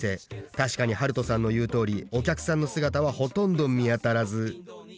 確かにはるとさんの言うとおりお客さんの姿はほとんど見当たらず。